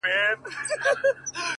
خو هغې دغه ډالۍ!